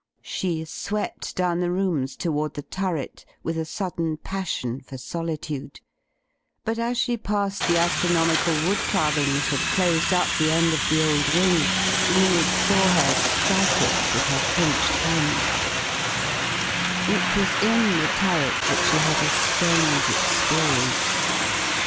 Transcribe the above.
She swept down the rooms toward the turret, with 314 THE FLYING INN a sadden passion for solitude; but as she passed the astronomical wood carving that had closed up the end of the old wing» Enid saw her strike it with her clinched hand It was in the turret that she had a strange experi ence.